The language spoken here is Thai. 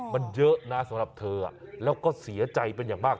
มันเยอะนะสำหรับเธอแล้วก็เสียใจเป็นอย่างมาก